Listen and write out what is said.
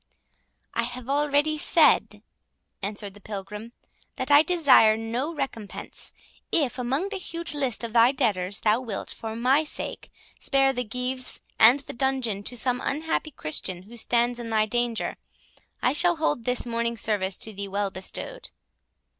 "I have already said," answered the Pilgrim, "that I desire no recompense. If among the huge list of thy debtors, thou wilt, for my sake, spare the gyves and the dungeon to some unhappy Christian who stands in thy danger, I shall hold this morning's service to thee well bestowed."